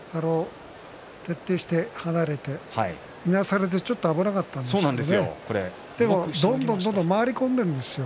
徹底して離れていなされてちょっと危なかったんですがでも、どんどんどんどん回り込んでいるんですよ。